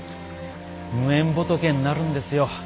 無縁仏になるんですよ。